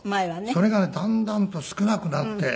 それがだんだんと少なくなって。